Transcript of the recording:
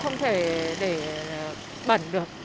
không thể để bẩn được